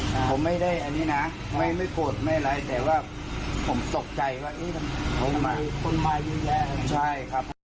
ผมไม่ได้อันนี้นะไม่ไม่โกรธไม่อะไรแต่ว่าผมสกใจว่าเอ๊ะทำไม